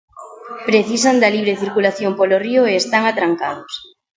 Precisan da libre circulación polo río e están atrancados.